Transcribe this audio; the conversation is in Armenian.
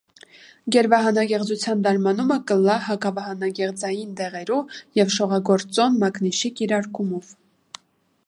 Գերվահանագեղձութեան դարմանումը կ՛ըլլայ հակավահանագեղձային դեղերու, եւ շողագործօն մանիշի կիրարկումով։